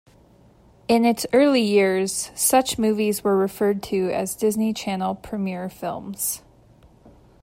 In its early years, such movies were referred to as Disney Channel Premiere Films.